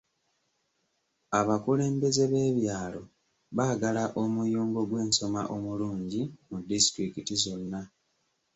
Abakulembeze b'ebyalo baagala omuyungo gw'ensoma omulungi mu disitulikiti zonna.